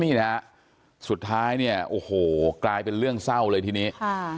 นี่นะฮะสุดท้ายเนี่ยโอ้โหกลายเป็นเรื่องเศร้าเลยทีนี้ค่ะ